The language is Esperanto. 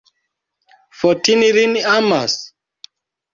Fotini lin amas?